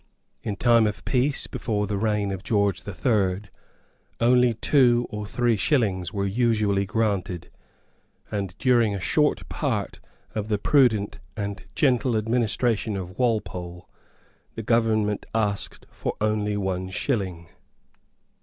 In time of peace, before the reign of George the Third, only two or three shillings were usually granted; and, during a short part of the prudent and gentle administration of Walpole, the government asked for only one shilling.